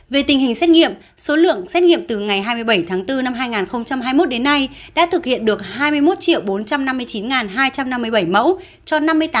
về tình hình xét nghiệm số lượng xét nghiệm từ ngày hai mươi bảy tháng bốn năm hai nghìn hai mươi một đến nay đã thực hiện được hai mươi một bốn trăm năm mươi chín hai trăm năm mươi bảy mẫu cho năm mươi tám bảy trăm chín mươi hai hai trăm tám mươi ba lượt người